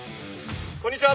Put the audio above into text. こんにちは！